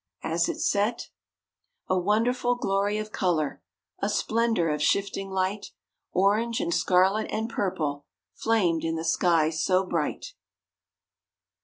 As it set A wonderful glory of color, A splendor of shifting light Orange and scarlet and purple Flamed in the sky so bright.